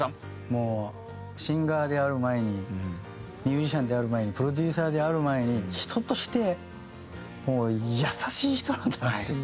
もうシンガーである前にミュージシャンである前にプロデューサーである前に人としてもう優しい人なんだなって。